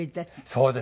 そうです。